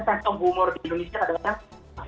kantong humor di indonesia adalah